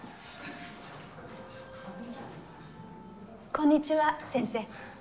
こんにちは先生。